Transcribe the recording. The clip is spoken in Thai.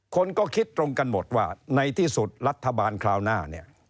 คนก็คิดตรงกันหมดว่าในที่สุดรัฐบาลคราวหน้าเนี่ย